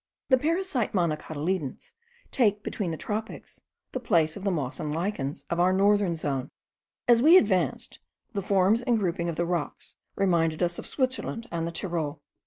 The parasite monocotyledons take between the tropics the place of the moss and lichens of our northern zone. As we advanced, the forms and grouping of the rocks reminded us of Switzerland and the Tyrol.